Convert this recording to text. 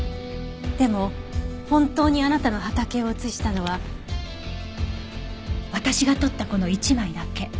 でも本当にあなたの畑を写したのは私が撮ったこの１枚だけ。